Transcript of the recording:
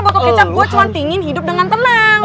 botol kecap gue cuan tingin hidup dengan tenang